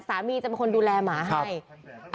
จะเป็นคนดูแลหมาให้